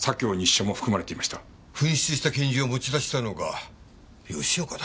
紛失した拳銃を持ち出したのが吉岡だと？